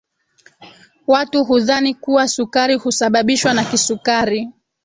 watu hudhani kuwa sukari husababishwa na kisukari